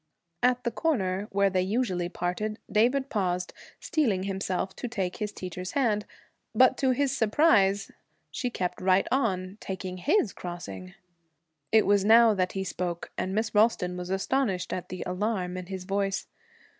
At the corner where they usually parted David paused, steeling himself to take his teacher's hand; but to his surprise she kept right on, taking his crossing. It was now that he spoke, and Miss Ralston was astonished at the alarm in his voice.